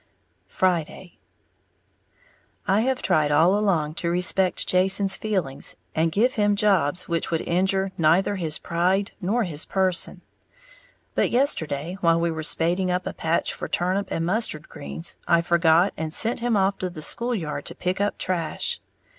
Friday. I have tried all along to respect Jason's feelings, and give him jobs which would injure neither his pride nor his person. But yesterday while we were spading up a patch for turnip and mustard greens, I forgot and sent him off to the school yard to pick up trash.